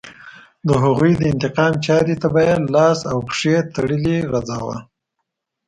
د هغوی د انتقام چاړې ته به یې لاس او پښې تړلې غځاوه.